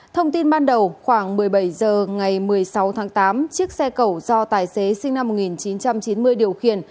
thông tin ban đầu khoảng một mươi bảy h ngày một mươi sáu tháng tám chiếc xe cẩu do tài xế sinh năm một nghìn chín trăm chín mươi điều khiển